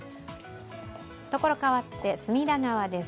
所変わって隅田川です。